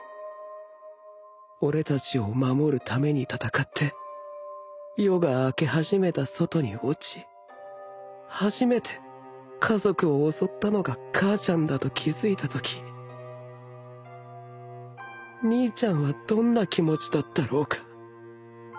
俺たちを守るために戦って夜が明け始めた外に落ち初めて家族を襲ったのが母ちゃんだと気付いたとき兄ちゃんはどんな気持ちだったろうか